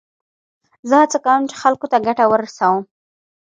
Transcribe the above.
زه هڅه کوم، چي خلکو ته ګټه ورسوم.